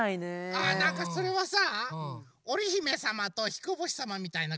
あなんかそれはさおりひめさまとひこぼしさまみたいなかんじ？